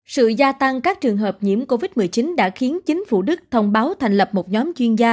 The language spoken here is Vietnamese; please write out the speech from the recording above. sự gia tăng các trường hợp nhiễm covid một mươi chín đã khiến chính phủ đức thông báo thành lập một nhóm chuyên gia